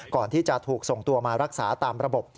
ก่อนที่จะถูกส่งตัวมารักษาตามระบบ